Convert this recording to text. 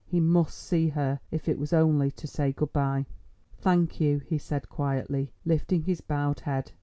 He must see her, if it was only to say good bye. "Thank you," he said quietly, lifting his bowed head.